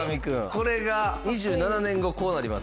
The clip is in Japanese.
これが２７年後こうなります。